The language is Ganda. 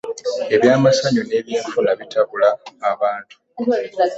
Ebyemassanyu n'eby, enfuna bitabula abantu .